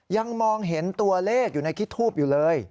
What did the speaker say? ยังมองเห็นตัวเลขอยู่ในที่ทูบอยู่เลย